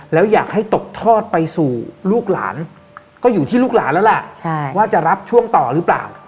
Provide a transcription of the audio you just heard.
แล้วอยากให้ตกทอดไปสู่ลูกหลานก็อยู่ที่ลูกหลานแล้วล่ะว่าจะรับช่วงต่อหรือเปล่า